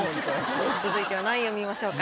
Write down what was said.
続いては何位を見ましょうか？